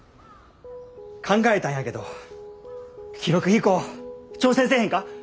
考えたんやけど記録飛行挑戦せえへんか？